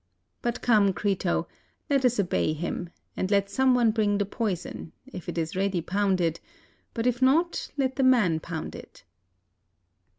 But come, Crito, let us obey him, and let some one bring the poison, if it is ready pounded, but if not, let the man pound it."